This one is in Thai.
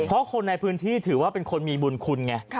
เพราะคนในพื้นที่ถือว่าเป็นคนมีบุญคุณไง